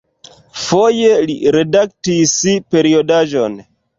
Foje li redaktis periodaĵon.